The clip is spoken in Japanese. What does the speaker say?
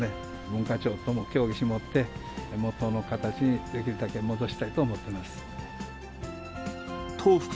文化庁とも協議してもらって、もとの形にできるだけ戻したいと思ってます。